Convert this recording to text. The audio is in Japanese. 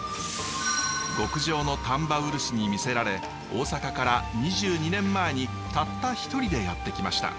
極上の丹波漆に魅せられ大阪から２２年前にたった一人でやって来ました。